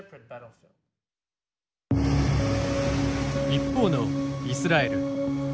一方のイスラエル。